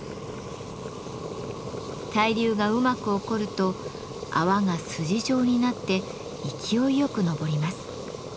対流がうまく起こると泡が筋状になって勢いよく上ります。